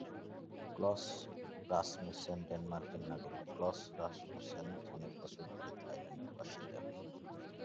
Clause Rasmussen ডেনমার্কের নাগরিক Claus Rasmussen অনেক বছর ধরেই থাইল্যান্ডের বাসিন্দা।